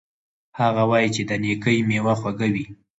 هغه وایي چې د نیکۍ میوه خوږه وي